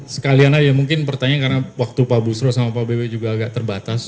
sekalian aja mungkin pertanyaan karena waktu pak busro sama pak bebe juga agak terbatas